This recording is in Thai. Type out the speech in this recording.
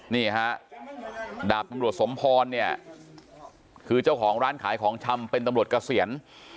นี่ฮะดาบตำรวจสมพรเนี่ยคือเจ้าของร้านขายของชำเป็นตำรวจเกษียณ